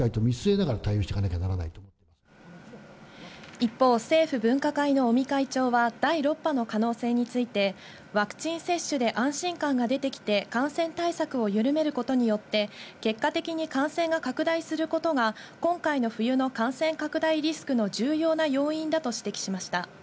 一方、政府分科会の尾身会長は第６波の可能性について、ワクチン接種で安心感が出てきて感染対策をゆるめることによって結果的に感染が拡大することが今回の冬の感染拡大リスクの重要な要因だと指摘しました。